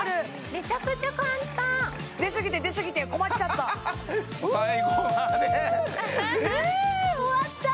めちゃくちゃ簡単出すぎて出すぎて困っちゃったおお最後までええ終わった！